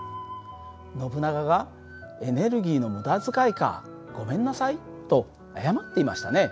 ノブナガが「エネルギーの無駄遣いかごめんなさい」と謝っていましたね。